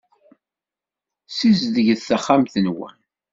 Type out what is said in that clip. Ssizdget taxxamt-nwen.